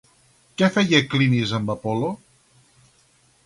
Què feia Clinis amb Apol·lo?